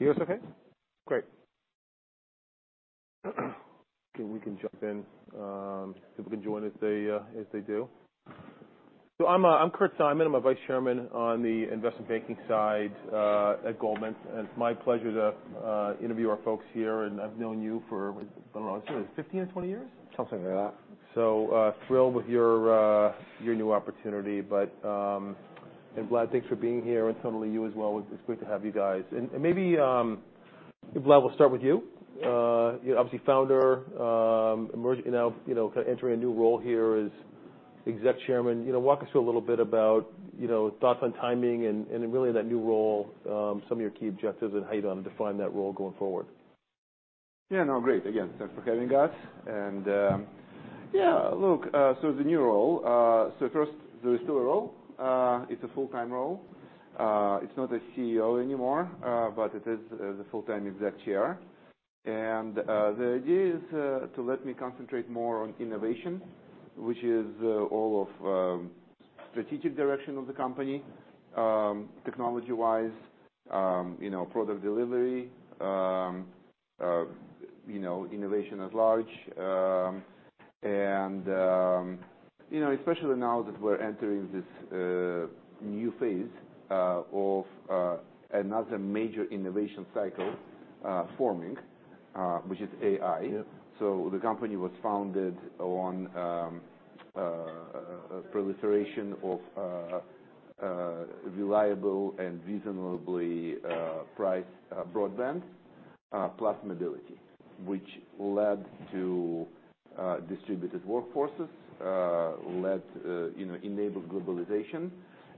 You guys okay? Great. Okay, we can jump in, people can join as they, as they do. So I'm, I'm Kurt Simon. I'm a Vice Chairman on the investment banking side, at Goldman, and it's my pleasure to interview our folks here, and I've known you for, I don't know, 15 or 20 years? Something like that. So, thrilled with your, your new opportunity, but, I'm glad. Thanks for being here, and certainly you as well. It's great to have you guys. And maybe, Vlad, we'll start with you. You're obviously founder, emerging now, you know, kind of entering a new role here as exec chairman. You know, walk us through a little bit about, you know, thoughts on timing and, and really in that new role, some of your key objectives and how you're gonna define that role going forward. Yeah, no, great. Again, thanks for having us. And, yeah, look, so the new role, so first, there is still a role. It's a full-time role. It's not a CEO anymore, but it is the full-time exec chair. And, the idea is to let me concentrate more on innovation, which is all of strategic direction of the company, technology-wise, you know, product delivery, you know, innovation at large. And, you know, especially now that we're entering this new phase of another major innovation cycle, forming, which is AI. Yeah. The company was founded on proliferation of reliable and reasonably priced broadband plus mobility, which led to distributed workforces, enabled globalization,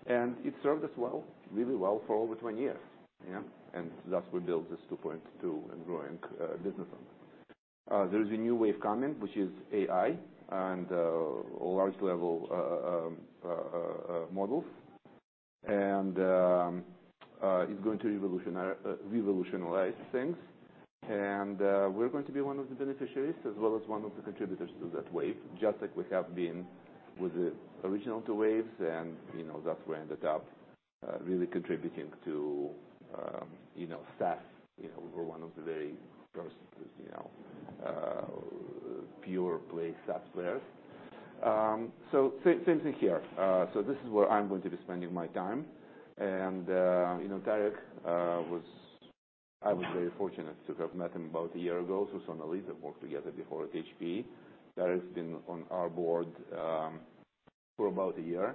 and it served us well, really well, for over 20 years, yeah? Thus, we built this $2.2 and growing business model. There is a new wave coming, which is AI and large level models, and it's going to revolutionize things. We're going to be one of the beneficiaries as well as one of the contributors to that wave, just like we have been with the original two waves, and, you know, that's where I ended up really contributing to, you know, SaaS. You know, we're one of the very first, you know, pure play SaaS players. Same thing here. So this is where I'm going to be spending my time. You know, Tarek, I was very fortunate to have met him about a year ago through Sonalee, they've worked together before at HP. Tarek's been on our board for about a year.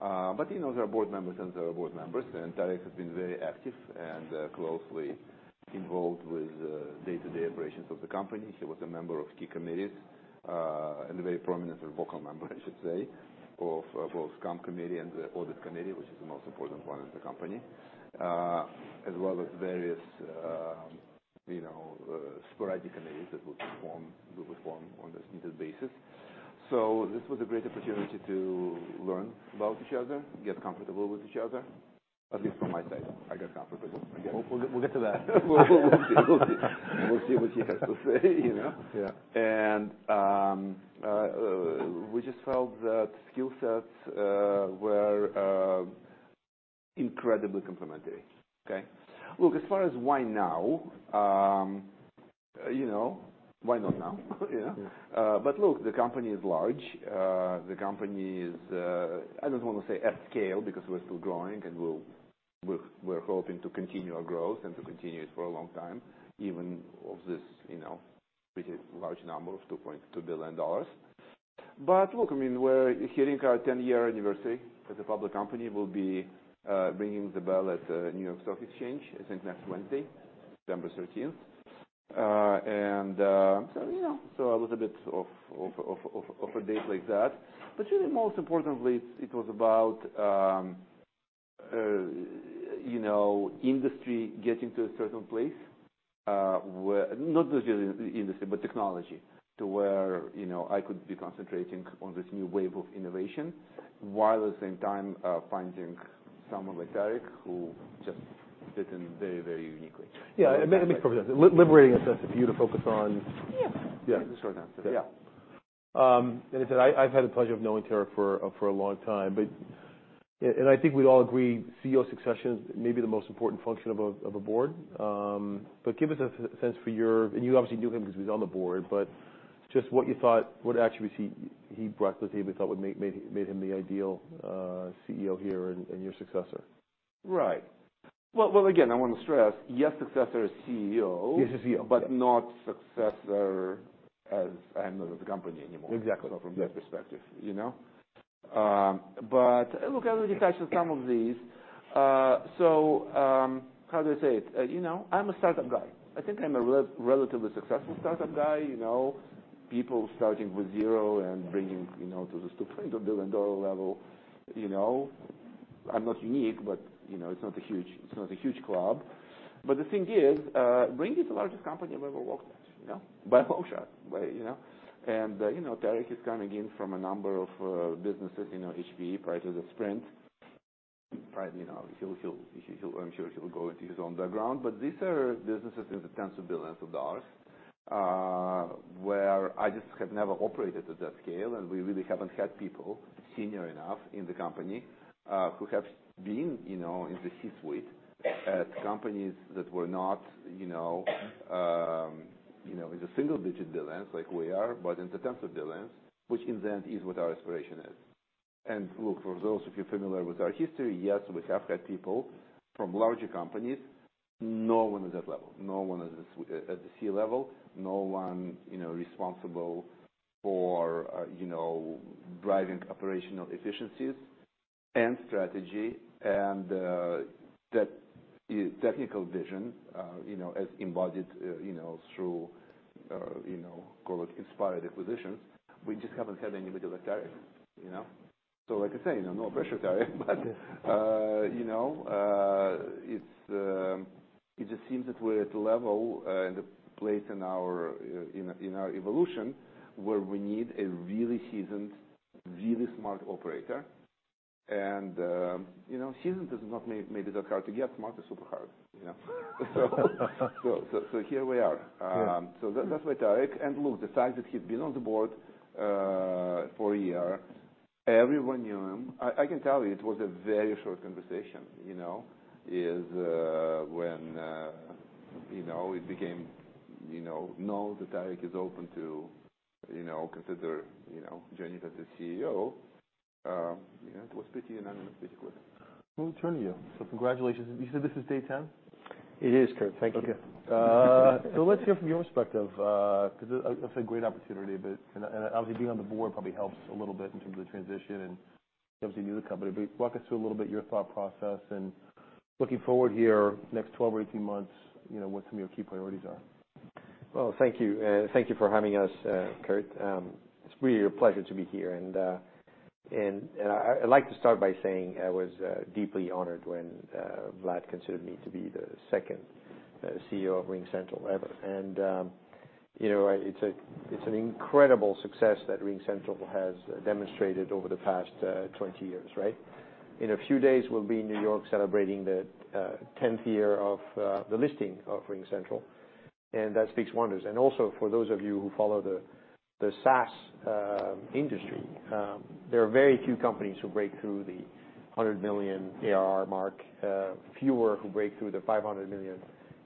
But, you know, our board members and our board members, and Tarek has been very active and closely involved with the day-to-day operations of the company. He was a member of key committees and a very prominent and vocal member, I should say, of both comp committee and the audit committee, which is the most important one in the company, as well as various, you know, sporadic committees that will perform on as-needed basis. So this was a great opportunity to learn about each other, get comfortable with each other, at least from my side. I got comfortable, I guess. We'll get to that. We'll see. We'll see what he has to say, you know? Yeah. We just felt that skill sets were incredibly complementary. Okay. Look, as far as why now, you know, why not now? Yeah. Yeah. But look, the company is large. The company is, I don't want to say at scale, because we're still growing, and we're hoping to continue our growth and to continue it for a long time, even of this, you know, pretty large number of $2.2 billion. But look, I mean, we're hitting our 10-year anniversary as a public company. We'll be ringing the bell at the New York Stock Exchange, I think next Wednesday, December 13th. And so, you know, so a little bit of a date like that. But really, most importantly, it was about, you know, industry getting to a certain place, where. Not just the industry, but technology, to where, you know, I could be concentrating on this new wave of innovation, while at the same time, finding someone like Tarek, who just fit in very, very uniquely. Yeah, I mean, let me put it this, liberating us to you to focus on- Yeah. Yeah, short answer. Yeah. And I said, I've had the pleasure of knowing Tarek for a long time, but... and I think we'd all agree, CEO succession is maybe the most important function of a board. But give us a sense for your... And you obviously knew him because he was on the board, but just what you thought, what attributes he brought with him, you thought would make him the ideal CEO here and your successor. Right. Well, well, again, I want to stress, yes, successor is CEO- Yes, is CEO. But not successor as owner of the company anymore. Exactly. From that perspective, you know? But look, I already touched on some of these. So, how do I say it? You know, I'm a startup guy. I think I'm a relatively successful startup guy, you know, people starting with zero and bringing, you know, to this $200 billion level. You know, I'm not unique, but, you know, it's not a huge club. But the thing is, RingCentral is the largest company I've ever worked with, you know, by a long shot, but, you know. And, you know, Tarek is coming in from a number of businesses, you know, HP, prior to the Sprint. Right, you know, he'll, he'll, he'll. I'm sure he will go into his own background, but these are businesses in the tens of billions of dollars. Where I just have never operated at that scale, and we really haven't had people senior enough in the company who have been, you know, in the C-suite at companies that were not, you know, in the single-digit billions like we are, but in the tens of billions, which in the end is what our aspiration is. And look, for those of you familiar with our history, yes, we have had people from larger companies, no one at that level, no one at the C level. No one, you know, responsible for, you know, driving operational efficiencies and strategy, and that technical vision, you know, as embodied, you know, through, you know, call it inspired acquisitions. We just haven't had anybody like Tarek, you know? So, like I say, you know, no pressure, Tarek, but, you know, it just seems that we're at a level in the place in our evolution, where we need a really seasoned, really smart operator. And, you know, seasoned is not maybe that hard to get, smart is super hard, you know? So, here we are. Sure. That's why Tarek. Look, the fact that he's been on the board for a year, everyone knew him. I can tell you, it was a very short conversation, you know, is, when, you know, it became, you know, known that Tarek is open to, you know, consider, you know, joining as the CEO, you know, it was pretty unanimous, pretty quick. We'll turn to you. Congratulations. You said this is day 10? It is, Kurt. Thank you. Okay. So let's hear from your perspective, 'cause it's a great opportunity, but, and obviously, being on the board probably helps a little bit in terms of the transition and in terms of you and the company, but walk us through a little bit your thought process, and looking forward here, next 12 or 18 months, you know, what some of your key priorities are. Well, thank you. And thank you for having us, Kurt. It's really a pleasure to be here, and I, I'd like to start by saying I was deeply honored when Vlad considered me to be the second CEO of RingCentral ever. And, you know, it's an incredible success that RingCentral has demonstrated over the past 20 years, right? In a few days, we'll be in New York celebrating the tenth year of the listing of RingCentral, and that speaks wonders. And also, for those of you who follow the SaaS industry, there are very few companies who break through the $100 million ARR mark, fewer who break through the $500 million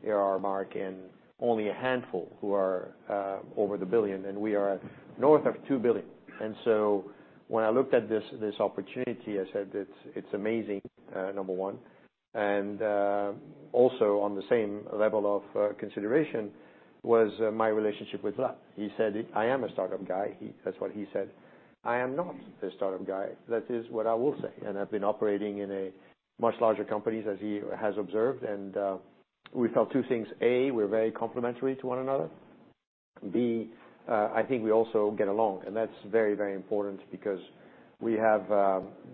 ARR mark, and only a handful who are over the $1 billion, and we are north of $2 billion. And so, when I looked at this, this opportunity, I said, "It's, it's amazing," number one, and, also on the same level of, consideration, was, my relationship with Vlad. He said, "I am a startup guy." That's what he said. I am not a startup guy. That is what I will say, and I've been operating in a much larger companies, as he has observed, and, we felt two things: A, we're very complementary to one another. B, I think we also get along, and that's very, very important because we have,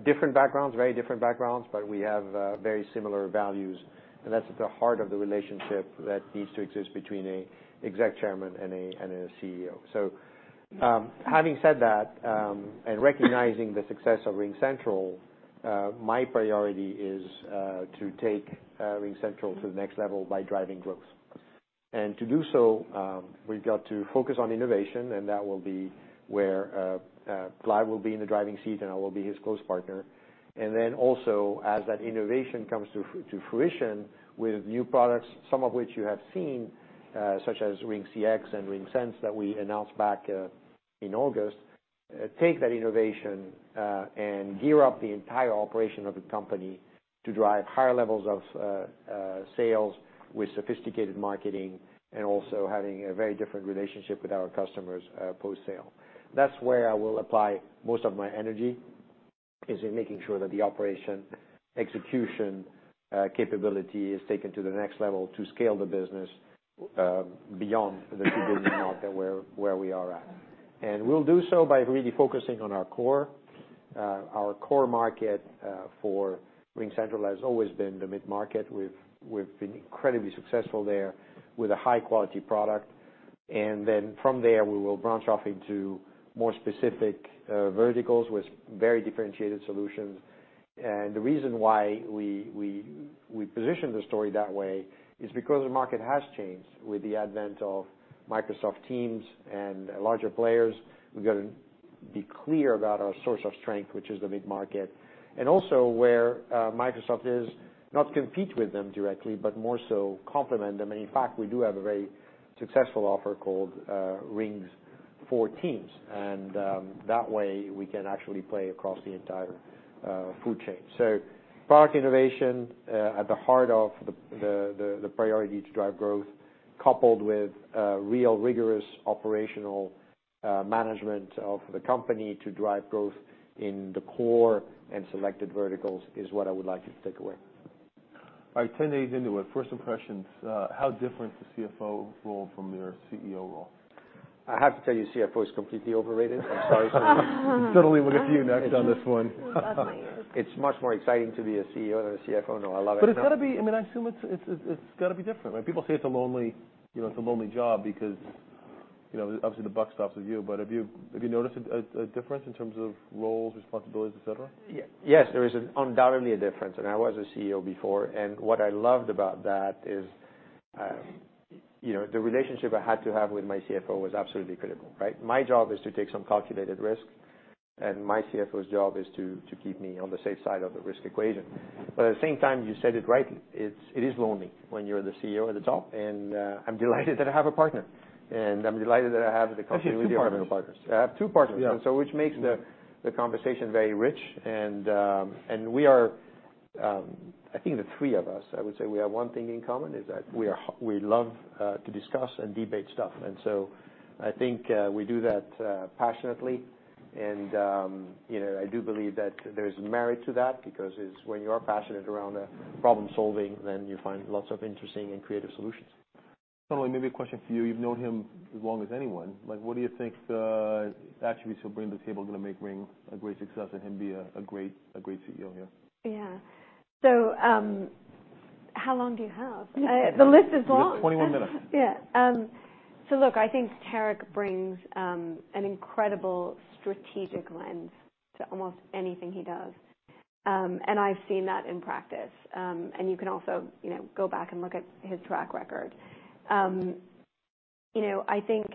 different backgrounds, very different backgrounds, but we have, very similar values, and that's at the heart of the relationship that needs to exist between a exec chairman and a, and a CEO. So, having said that, and recognizing the success of RingCentral, my priority is to take RingCentral to the next level by driving growth. And to do so, we've got to focus on innovation, and that will be where Vlad will be in the driving seat, and I will be his close partner. And then also, as that innovation comes to fruition with new products, some of which you have seen, such as RingCX and RingSense, that we announced back in August, take that innovation and gear up the entire operation of the company to drive higher levels of sales with sophisticated marketing and also having a very different relationship with our customers post-sale. That's where I will apply most of my energy, is in making sure that the operation execution, capability is taken to the next level to scale the business, beyond the $2 billion mark and where we are at. And we'll do so by really focusing on our core. Our core market for RingCentral has always been the mid-market. We've been incredibly successful there with a high-quality product, and then from there, we will branch off into more specific, verticals with very differentiated solutions. And the reason why we position the story that way is because the market has changed with the advent of Microsoft Teams and larger players. We've got to be clear about our source of strength, which is the mid-market, and also where Microsoft is, not compete with them directly, but more so complement them. In fact, we do have a very successful offer called RingCentral for Microsoft Teams, and that way, we can actually play across the entire food chain. Product innovation at the heart of the priority to drive growth, coupled with real rigorous operational management of the company to drive growth in the core and selected verticals, is what I would like you to take away. All right. Ten days into it, first impressions, how different is the CFO role from your CEO role? I have to tell you, CFO is completely overrated. I'm sorry. Certainly with you next on this one. Exactly. It's much more exciting to be a CEO than a CFO. No, I love it now. But it's gotta be... I mean, I assume it's gotta be different, right? People say it's a lonely, you know, it's a lonely job because... you know, obviously the buck stops with you, but have you noticed a difference in terms of roles, responsibilities, et cetera? Yes, there is undoubtedly a difference, and I was a CEO before, and what I loved about that is, you know, the relationship I had to have with my CFO was absolutely critical, right? My job is to take some calculated risks, and my CFO's job is to keep me on the safe side of the risk equation. But at the same time, you said it right, it is lonely when you're the CEO at the top, and, I'm delighted that I have a partner, and I'm delighted that I have the company with two partner- Actually, two partners. I have two partners. Yeah. And so which makes the conversation very rich, and we are, I think the three of us, I would say we have one thing in common, is that we are we love to discuss and debate stuff. And so I think we do that passionately, and you know, I do believe that there's merit to that because it's when you are passionate around problem-solving, then you find lots of interesting and creative solutions. Sonalee, maybe a question for you. You've known him as long as anyone. Like, what do you think the attributes he'll bring to the table are gonna make Ring a great success and him be a great CEO here? Yeah. So, how long do you have? The list is long. You have 21 minutes. Yeah. So look, I think Tarek brings an incredible strategic lens to almost anything he does. And I've seen that in practice. And you can also, you know, go back and look at his track record. You know, I think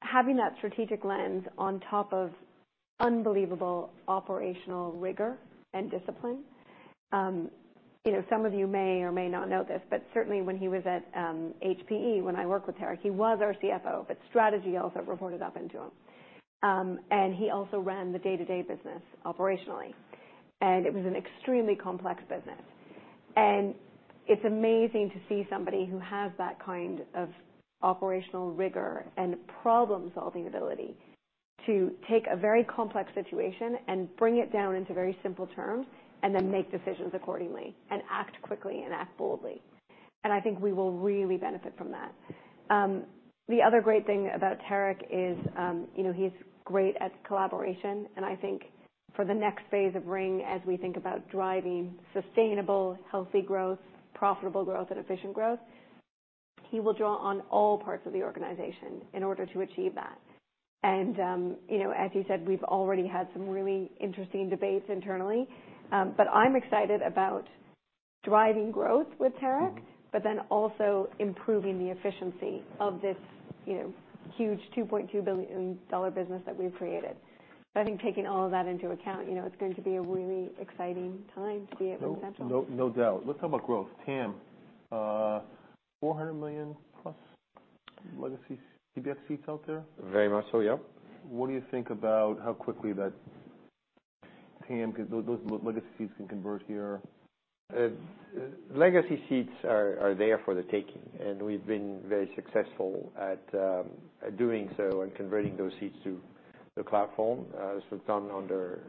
having that strategic lens on top of unbelievable operational rigor and discipline, you know, some of you may or may not know this, but certainly when he was at HPE, when I worked with Tarek, he was our CFO, but strategy also reported up into him. And he also ran the day-to-day business operationally, and it was an extremely complex business. And it's amazing to see somebody who has that kind of operational rigor and problem-solving ability to take a very complex situation and bring it down into very simple terms, and then make decisions accordingly, and act quickly and act boldly. I think we will really benefit from that. The other great thing about Tarek is, you know, he's great at collaboration, and I think for the next phase of Ring, as we think about driving sustainable, healthy growth, profitable growth and efficient growth, he will draw on all parts of the organization in order to achieve that. And, you know, as you said, we've already had some really interesting debates internally, but I'm excited about driving growth with Tarek, but then also improving the efficiency of this, you know, huge $2.2 billion business that we've created. I think taking all of that into account, you know, it's going to be a really exciting time to be at RingCentral. No, no, no doubt. Let's talk about growth. TAM, 400 million plus legacy PBX seats out there? Very much so, yeah. What do you think about how quickly that Tam, those legacy seats can convert here? Legacy seats are there for the taking, and we've been very successful at doing so and converting those seats to the cloud phone, as we've done under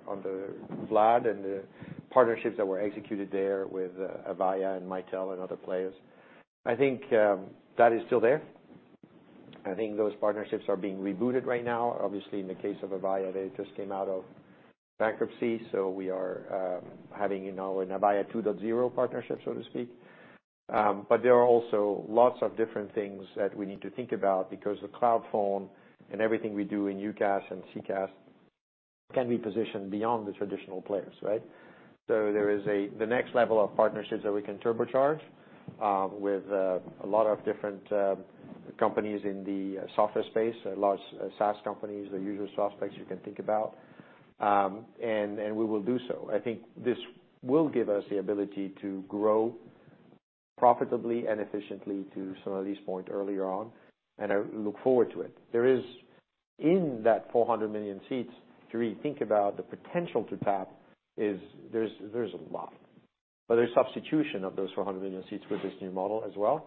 Vlad and the partnerships that were executed there with Avaya and Mitel and other players. I think that is still there. I think those partnerships are being rebooted right now. Obviously, in the case of Avaya, they just came out of bankruptcy, so we are having you know an Avaya 2.0 partnership, so to speak. But there are also lots of different things that we need to think about because the cloud phone and everything we do in UCaaS and CCaaS can be positioned beyond the traditional players, right? So there is the next level of partnerships that we can turbocharge with a lot of different companies in the software space, a lot of SaaS companies, the usual suspects you can think about. And we will do so. I think this will give us the ability to grow profitably and efficiently to Sonalee's point earlier on, and I look forward to it. There is, in that 400 million seats, if you really think about the potential to tap, there's a lot. But there's substitution of those 400 million seats with this new model as well,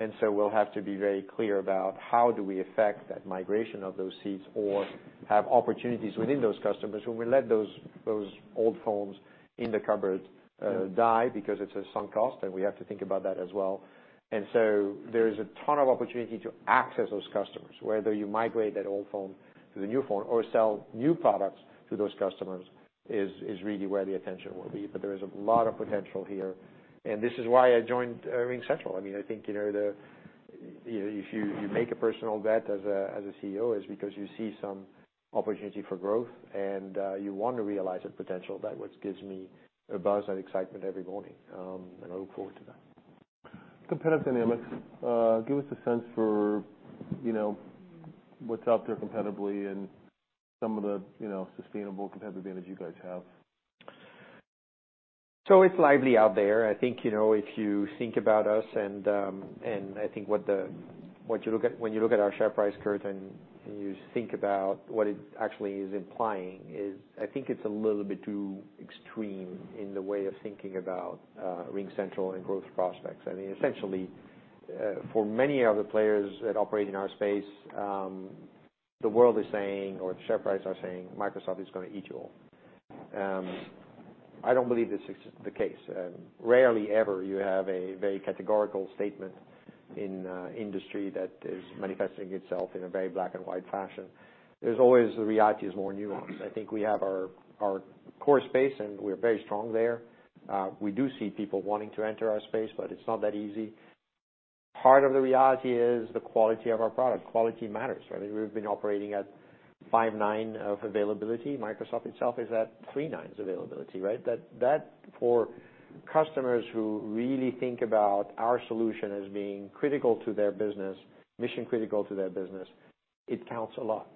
and so we'll have to be very clear about how do we affect that migration of those seats or have opportunities within those customers, when we let those, those old phones in the cupboard, die because it's a sunk cost, and we have to think about that as well. And so there is a ton of opportunity to access those customers, whether you migrate that old phone to the new phone or sell new products to those customers, is really where the attention will be. But there is a lot of potential here, and this is why I joined RingCentral. I mean, I think, you know, the... If you make a personal bet as a CEO, it's because you see some opportunity for growth, and you want to realize the potential. That's what gives me a buzz and excitement every morning, and I look forward to that. Competitive dynamics. Give us a sense for, you know, what's out there competitively and some of the, you know, sustainable competitive advantage you guys have. So it's lively out there. I think, you know, if you think about us and, and I think what you look at when you look at our share price curve, and, and you think about what it actually is implying, is I think it's a little bit too extreme in the way of thinking about RingCentral and growth prospects. I mean, essentially, for many of the players that operate in our space, the world is saying or the share price are saying, Microsoft is gonna eat you all. I don't believe this is the case. Rarely ever, you have a very categorical statement in industry that is manifesting itself in a very black and white fashion. There's always, the reality is more nuanced. I think we have our core space, and we're very strong there. We do see people wanting to enter our space, but it's not that easy. Part of the reality is the quality of our product. Quality matters, right? I mean, we've been operating at five nines of availability. Microsoft itself is at three nines availability, right? That, that for customers who really think about our solution as being critical to their business, mission critical to their business, it counts a lot.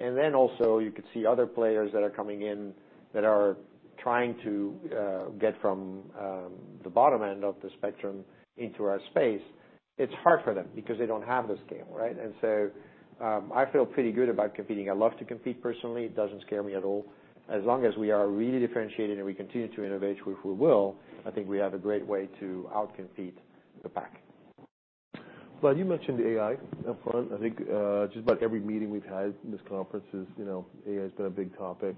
And then also, you could see other players that are coming in that are trying to get from the bottom end of the spectrum into our space. It's hard for them because they don't have the scale, right? And so, I feel pretty good about competing. I love to compete personally, it doesn't scare me at all. As long as we are really differentiated, and we continue to innovate, which we will, I think we have a great way to out-compete the pack. Well, you mentioned AI up front. I think, just about every meeting we've had in this conference is, you know, AI has been a big topic.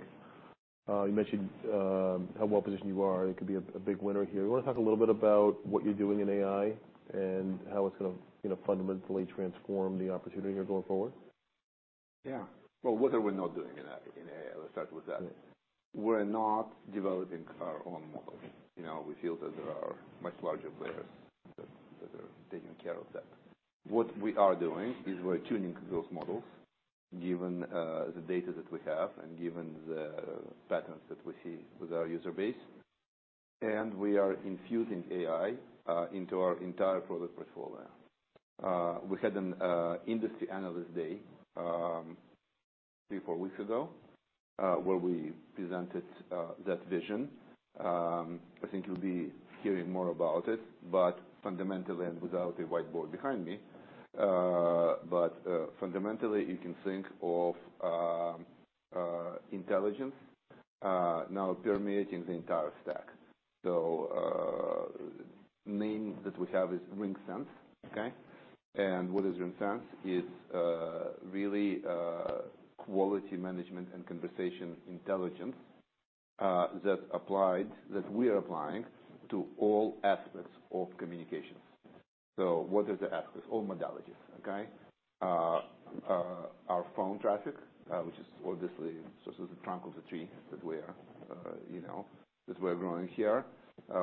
You mentioned how well-positioned you are, and it could be a big winner here. You want to talk a little bit about what you're doing in AI, and how it's gonna, you know, fundamentally transform the opportunity here going forward? Yeah. Well, what are we not doing in AI, in AI? Let's start with that. Yeah. We're not developing our own models. You know, we feel that there are much larger players that are taking care of that. What we are doing is we're tuning those models, given the data that we have and given the patterns that we see with our user base, and we are infusing AI into our entire product portfolio. We had an industry analyst day 3-4 weeks ago where we presented that vision. I think you'll be hearing more about it, but fundamentally and without a whiteboard behind me, but fundamentally, you can think of intelligence now permeating the entire stack. So name that we have is RingSense, okay? And what is RingSense? It's really quality management and conversation intelligence that we are applying to all aspects of communication. So what are the aspects? All modalities, okay? Our phone traffic, which is obviously just as the trunk of the tree that we are, you know, as we're growing here.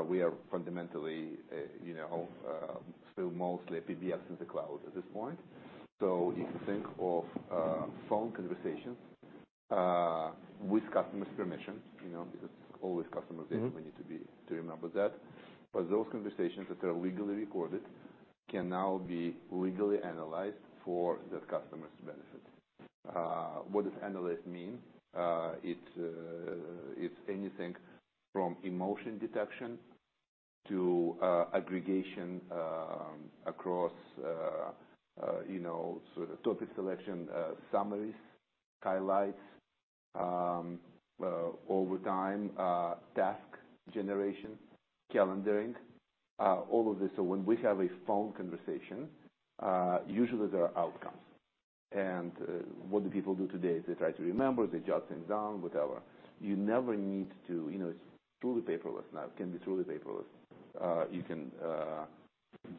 We are fundamentally, you know, still mostly a PBX in the cloud at this point. So if you think of phone conversations with customer's permission, you know, because always customer- Mm-hmm data, we need to be, to remember that. But those conversations that are legally recorded can now be legally analyzed for the customer's benefit. What does analyze mean? It's anything from emotion detection to aggregation across, you know, sort of topic selection, summaries, highlights over time, task generation, calendaring, all of this. So when we have a phone conversation, usually there are outcomes. And what do people do today? They try to remember, they jot things down, whatever. You never need to, you know, it's truly paperless now. It can be truly paperless. You can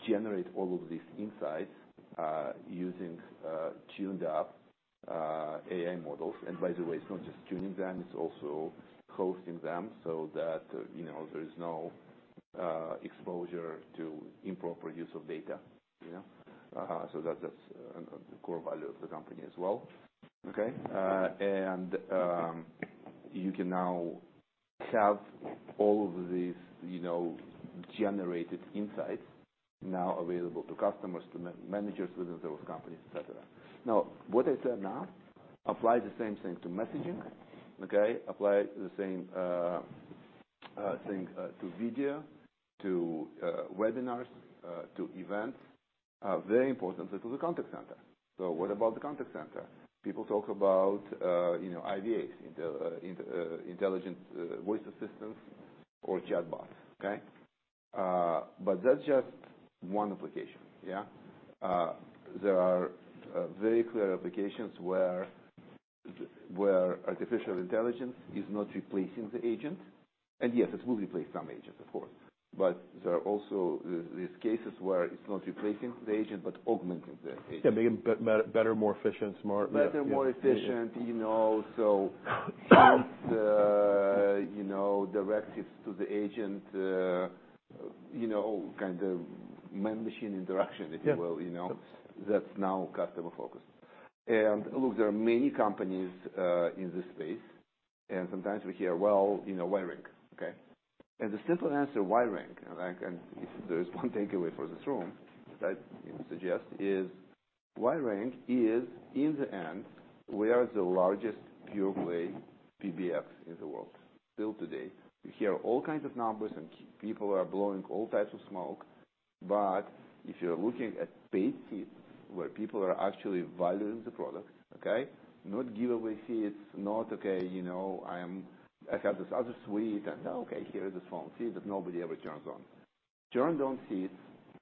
generate all of these insights using tuned up AI models. And by the way, it's not just tuning them, it's also hosting them so that, you know, there is no exposure to improper use of data, you know? So that's the core value of the company as well, okay? And you can now have all of these, you know, generated insights now available to customers, to managers within those companies, et cetera. Now, what I said now, apply the same thing to messaging, okay? Apply the same thing to video, to webinars, to events. Very importantly, to the contact center. So what about the contact center? People talk about, you know, IVAs, intelligent voice assistants or chatbots, okay? But that's just one application, yeah. There are very clear applications where artificial intelligence is not replacing the agent. Yes, it will replace some agents, of course, but there are also these cases where it's not replacing the agent, but augmenting the agent. Yeah, making them better, more efficient, smart, yeah. Better, more efficient, you know, directives to the agent, you know, kind of man-machine interaction- Yeah If you will, you know? That's now customer focused. And look, there are many companies in this space, and sometimes we hear, well, you know, why Ring, okay? And the simple answer, why Ring, right, and if there is one takeaway for this room, that I suggest is, why Ring is, in the end, we are the largest pure play PBX in the world, still today. You hear all kinds of numbers, and people are blowing all types of smoke, but if you're looking at paid seats, where people are actually valuing the product, okay? Not giveaway seats, not, okay, you know, I am-- I have this other suite, and, "Oh, okay, here is this phone seat that nobody ever turns on." Turned on seats,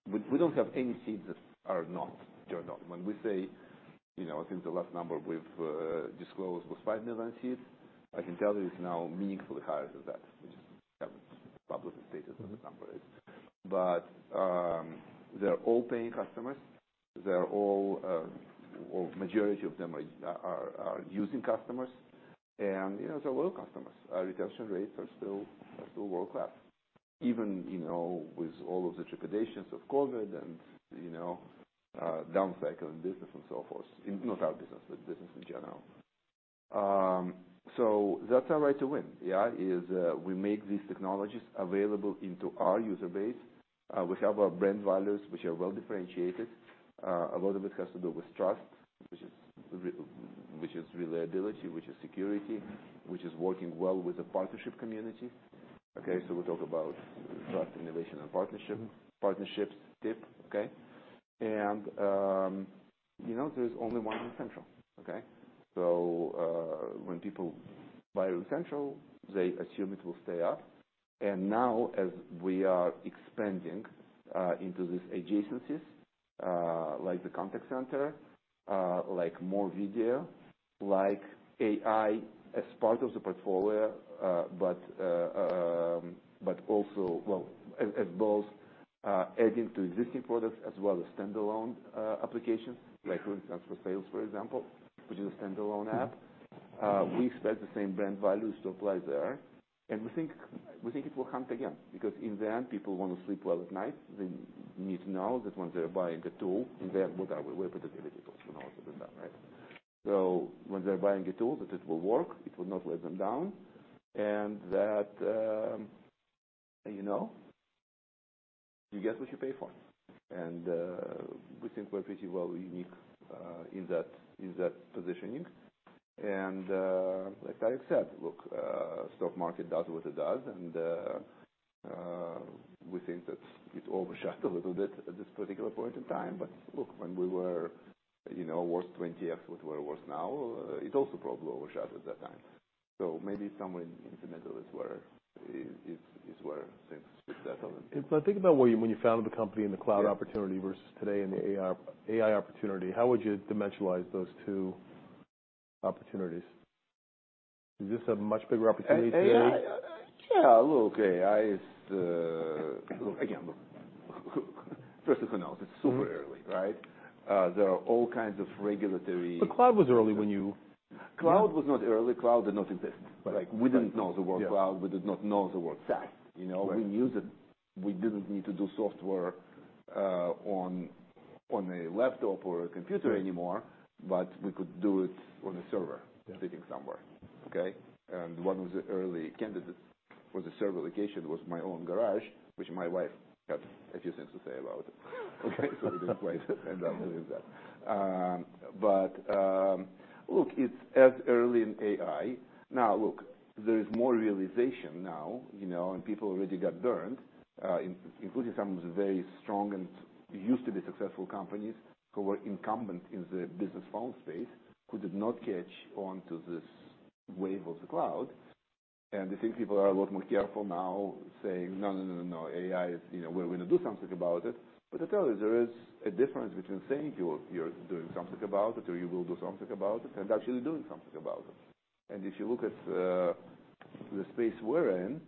we, we don't have any seats that are not turned on. When we say, you know, I think the last number we've disclosed was 5 million seats. I can tell you it's now meaningfully higher than that. We just haven't publicly stated what the number is. But, they're all paying customers. They're all, or majority of them are using customers, and, you know, they're loyal customers. Our retention rates are still world-class. Even, you know, with all of the trepidations of COVID and, you know, down cycle in business and so forth. Not our business, but business in general. So that's our right to win, yeah, is, we make these technologies available into our user base. We have our brand values, which are well differentiated. A lot of it has to do with trust, which is reliability, which is security, which is working well with the partnership community. Okay, so we talk about trust, innovation, and partnership, partnerships, TIP, okay? And, you know, there's only one essential, okay? So, when people buy essential, they assume it will stay up. And now, as we are expanding into these adjacencies, like the contact center, like more video, like AI as part of the portfolio, but also, well, as both adding to existing products as well as standalone applications, like, for instance, for sales, for example, which is a standalone app. We expect the same brand values to apply there. And we think, we think it will hunt again, because in the end, people want to sleep well at night. They need to know that when they're buying a tool, and they have whatever, we put the ability to know other than that, right? So when they're buying a tool, that it will work, it will not let them down, and that, you know, you get what you pay for. We think we're pretty well unique in that, in that positioning. Like Tarek said, look, stock market does what it does, and we think that it overshot a little bit at this particular point in time. But look, when we were, you know, worth 20x what we're worth now, it also probably overshot at that time. So maybe somewhere in the middle is where it, is, is where things sit better. But think about when you, when you founded the company and the cloud opportunity. Yes. versus today and the AI, AI opportunity. How would you dimensionalize those two opportunities? Is this a much bigger opportunity today? AI, yeah, look, AI is, look again, look, first of analysis- Mm-hmm. -super early, right? There are all kinds of regulatory- But cloud was early when you- Cloud was not early. Cloud did not exist. Right. Like, we didn't know the word cloud. Yeah. We did not know the word tech, you know? Right. We knew that we didn't need to do software on a laptop or a computer anymore- Right. But we could do it on a server. Yeah. Sitting somewhere. Okay? And one of the early candidates for the server location was my own garage, which my wife had a few things to say about it. Okay, so we didn't quite end up with that. But look, it's as early in AI. Now, look, there is more realization now, you know, and people already got burned, including some of the very strong and used to be successful companies who were incumbent in the business phone space, who did not catch on to this wave of the cloud. And I think people are a lot more careful now, saying, "No, no, no, no, no, AI, you know, we're going to do something about it." But I tell you, there is a difference between saying you're doing something about it, or you will do something about it, and actually doing something about it. If you look at the space we're in,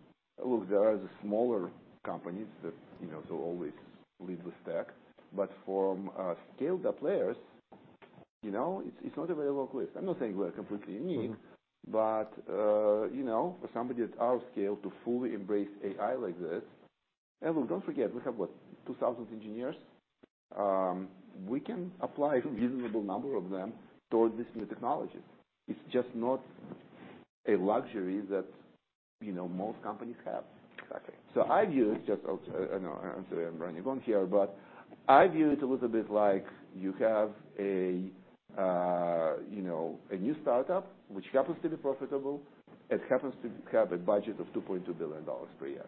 look, there are the smaller companies that, you know, so always lead with tech. But from scaled up players, you know, it's, it's not a very long list. I'm not saying we're completely unique. Mm-hmm. But, you know, for somebody at our scale to fully embrace AI like this... And look, don't forget, we have what? 2,000 engineers. We can apply a reasonable number of them towards this new technology. It's just not a luxury that, you know, most companies have. Exactly. I view it just, I know, I'm sorry, I'm running on here, but I view it a little bit like you have a, you know, a new startup, which happens to be profitable, it happens to have a budget of $2.2 billion per year.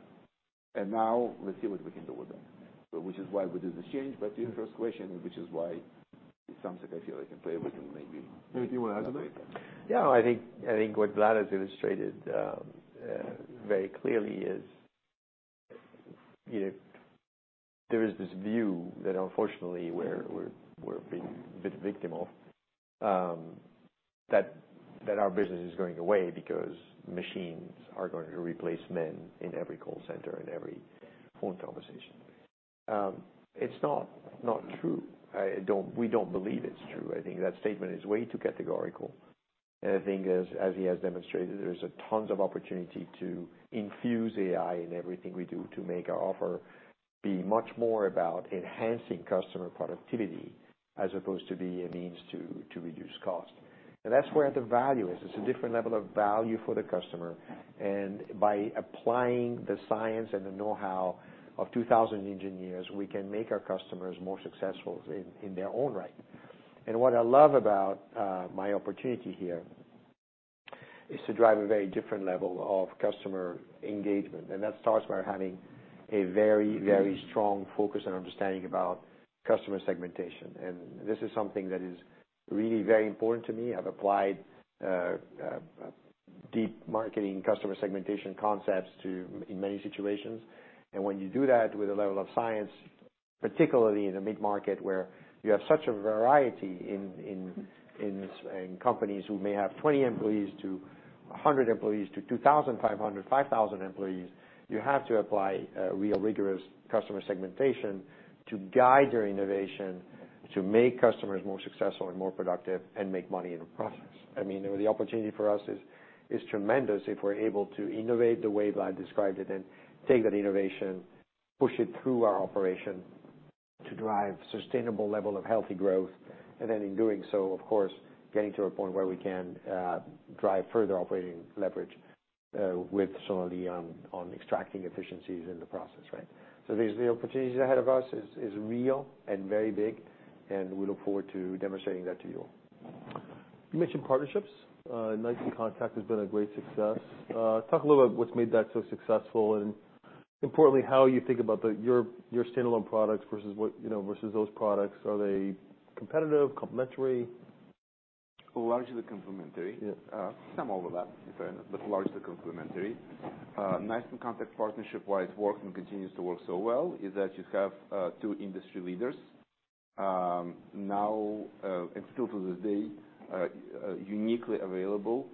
Now let's see what we can do with that. Which is why we did this change, but to your first question, and which is why it's something I feel I can play with and maybe- Anything you want to add to that? Yeah, I think, I think what Vlad has illustrated very clearly is, you know, there is this view that unfortunately, we're being a bit victim of that our business is going away because machines are going to replace men in every call center and every phone conversation. It's not true. I don't— we don't believe it's true. I think that statement is way too categorical. And I think as he has demonstrated, there's tons of opportunity to infuse AI in everything we do to make our offer be much more about enhancing customer productivity, as opposed to be a means to reduce cost. And that's where the value is. Mm-hmm. It's a different level of value for the customer, and by applying the science and the know-how of 2,000 engineers, we can make our customers more successful in their own right. What I love about my opportunity here is to drive a very different level of customer engagement, and that starts by having a very, very strong focus and understanding about customer segmentation. This is something that is really very important to me. I've applied deep marketing customer segmentation concepts in many situations. When you do that with a level of science, particularly in a mid-market where you have such a variety in companies who may have 20 employees to-... 100 employees to 2,500, 5,000 employees, you have to apply real rigorous customer segmentation to guide your innovation, to make customers more successful and more productive, and make money in the process. I mean, the opportunity for us is, is tremendous if we're able to innovate the way Vlad described it and take that innovation, push it through our operation to drive sustainable level of healthy growth, and then in doing so, of course, getting to a point where we can drive further operating leverage with some of the on extracting efficiencies in the process, right? So there's the opportunities ahead of us is, is real and very big, and we look forward to demonstrating that to you. You mentioned partnerships. NICE inContact has been a great success. Talk a little about what's made that so successful, and importantly, how you think about the, your, your standalone products versus what, you know, versus those products. Are they competitive, complementary? Largely complementary. Yeah. Some overlap, but largely complementary. NICE inContact partnership, why it's worked and continues to work so well, is that you have two industry leaders, now, and still to this day, uniquely available,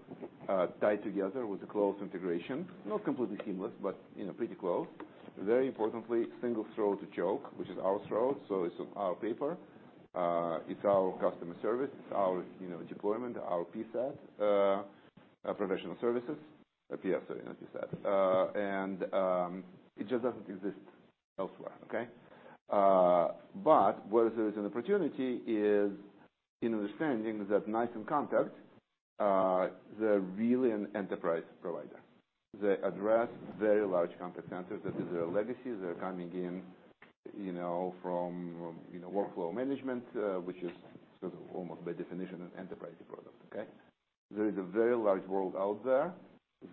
tied together with a close integration. Not completely seamless, but, you know, pretty close. Very importantly, single throat to choke, which is our throat, so it's our paper, it's our customer service, it's our, you know, deployment, our PSAT, professional services. PF, sorry, not PSAT. And it just doesn't exist elsewhere, okay? But where there's an opportunity is in understanding that NICE inContact, they're really an enterprise provider. They address very large contact centers. That is their legacy. They're coming in, you know, from workflow management, which is sort of almost by definition, an enterprise product, okay? There is a very large world out there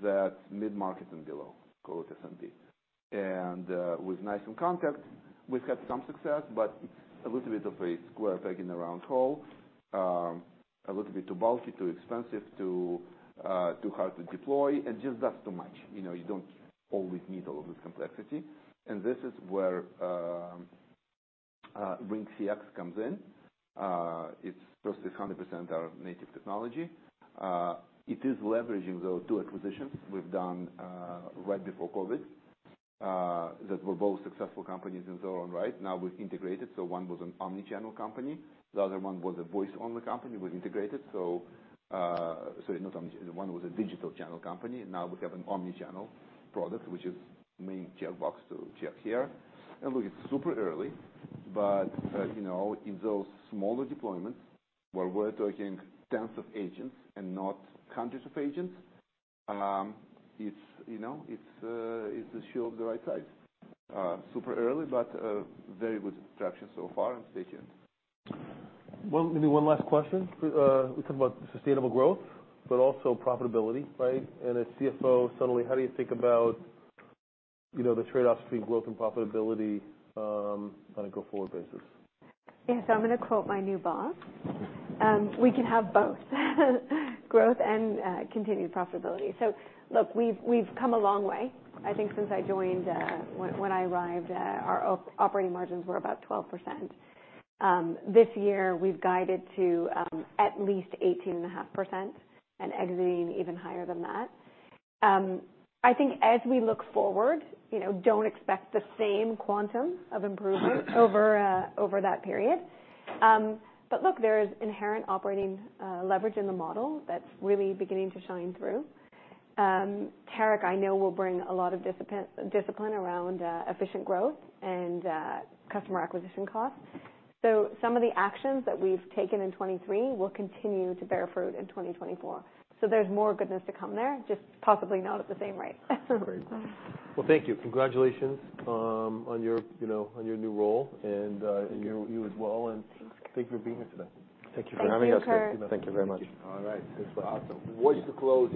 that mid-market and below go to SMB. With NICE inContact, we've had some success, but a little bit of a square peg in a round hole. A little bit too bulky, too expensive, too hard to deploy, and just that's too much. You know, you don't always need all of this complexity. This is where RingCX comes in. It's firstly 100% our native technology. It is leveraging those two acquisitions we've done right before COVID that were both successful companies in their own right. Now, we've integrated, so one was an omni-channel company, the other one was a voice-only company. We integrated. Sorry, not omni-channel. One was a digital channel company, and now we have an omni-channel product, which is main checkbox to check here. Look, it's super early, but you know, in those smaller deployments, where we're talking tens of agents and not hundreds of agents, it's you know, it's it's a show of the right size. Super early, but very good traction so far and stay tuned. Well, maybe one last question. We talk about sustainable growth, but also profitability, right? And as CFO, Sonalee, how do you think about, you know, the trade-offs between growth and profitability, on a go-forward basis? Yeah, so I'm gonna quote my new boss: we can have both, growth and continued profitability. So look, we've come a long way. I think since I joined, when I arrived, our operating margins were about 12%. This year, we've guided to at least 18.5%, and exiting even higher than that. I think as we look forward, you know, don't expect the same quantum of improvement over that period. But look, there is inherent operating leverage in the model that's really beginning to shine through. Tarek, I know, will bring a lot of discipline around efficient growth and customer acquisition costs. So some of the actions that we've taken in 2023 will continue to bear fruit in 2024. There's more goodness to come there, just possibly not at the same rate. Great. Well, thank you. Congratulations, on your, you know, on your new role, and, Thank you. you as well, and Thanks. Thank you for being here today. Thank you for having us. Thank you. Thank you very much. All right. Thanks for awesome. What's the closing?